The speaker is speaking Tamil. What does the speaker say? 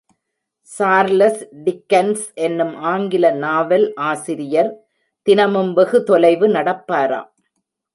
சார்லஸ் டிக்கன்ஸ் என்னும் ஆங்கில நாவல் ஆசிரியர் தினமும் வெகு தொலைவு நடப்பாராம்.